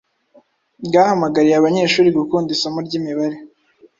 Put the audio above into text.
bwahamagariye abanyeshuri gukunda isomo ry’imibare